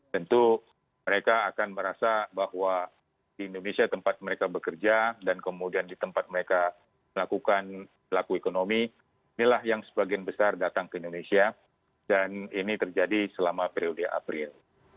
tentu mereka akan merasa bahwa di indonesia tempat mereka bekerja dan kemudian di tempat mereka melakukan laku ekonomi inilah yang sebagian besar datang ke indonesia dan ini terjadi selama periode april